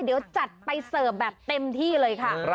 เดี๋ยวจัดไปเสิร์ฟแบบเต็มที่เลยค่ะ